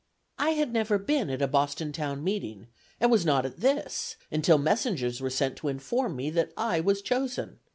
"I had never been at a Boston town meeting, and was not at this, until messengers were sent to me to inform me that I was chosen.